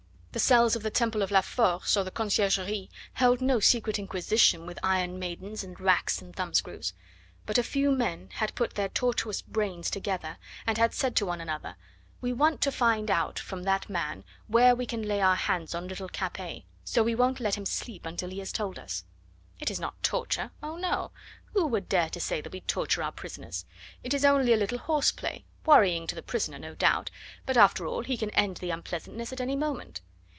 The cells of the Temple of La Force or the Conciergerie held no secret inquisition with iron maidens and racks and thumbscrews; but a few men had put their tortuous brains together, and had said one to another: "We want to find out from that man where we can lay our hands on little Capet, so we won't let him sleep until he has told us. It is not torture oh, no! Who would dare to say that we torture our prisoners? It is only a little horseplay, worrying to the prisoner, no doubt; but, after all, he can end the unpleasantness at any moment.